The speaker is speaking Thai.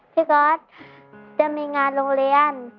ก๊อตจะมีงานโรงเรียน